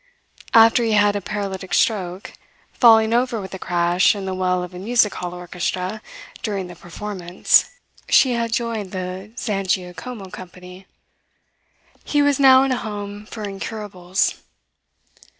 After he had a paralytic stroke, falling over with a crash in the well of a music hall orchestra during the performance, she had joined the Zangiacomo company. He was now in a home for incurables.